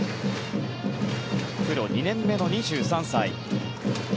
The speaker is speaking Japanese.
プロ２年目の２３歳。